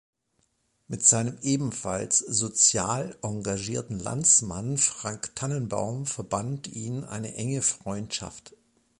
Mit seinem ebenfalls sozial engagierten Landsmann Frank Tannenbaum verband ihn eine enge Freundschaft.